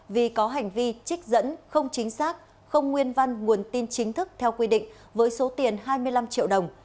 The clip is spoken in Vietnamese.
vì có hành vi trích dẫn không chính xác không nguyên văn nguồn tin chính thức theo quy định với số tiền hai mươi năm triệu đồng